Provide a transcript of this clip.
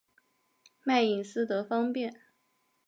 卖隐私得方便